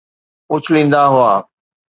اڇليندا هئا